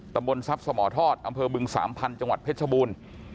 ตำบลทรัพย์สมทอดอำเภอบึงสามพันธุ์จังหวัดเพชรบูรณ์